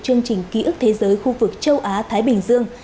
chương trình ký ức thế giới khu vực châu á thái bình dương